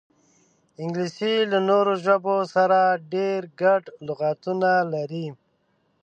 انګلیسي له نورو ژبو سره ډېر ګډ لغاتونه لري